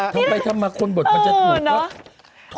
ทำไมทำมาคนบทเขาจะถูก